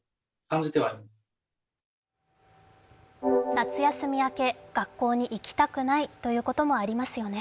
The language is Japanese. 夏休み明け、学校に行きたくないということもありますよね。